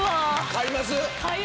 買います。